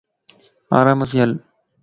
آرام سين ھل